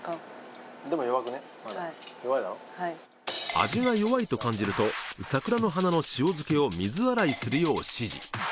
味が弱いと感じると桜の花の塩漬けを水洗いするよう指示。